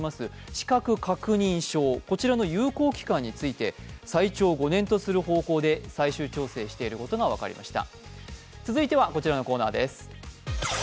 資格確認書の有効期間について最長５年とする方向で最終調整していることが分かりました。